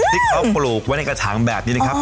ที่เขาปลูกไว้ในกระถางแบบนี้นะครับ